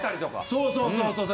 そうそうそうそう。